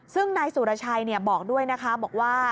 ซึ่งนายสุรชัยบอกด้วยนะคะบอกว่า